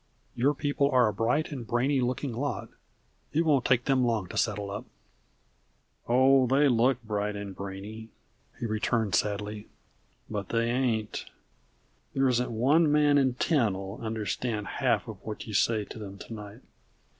Your people are a bright and brainy looking lot. It won't take them long to settle up." "Oh, they look bright and brainy," he returned sadly; "but they ain't! There isn't one man in ten 'll understand a half of what you say to them to night."